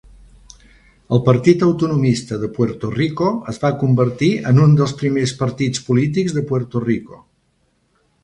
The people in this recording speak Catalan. El partit autonomista de Puerto Rico es va convertir en un dels primers partits polítics de Puerto Rico.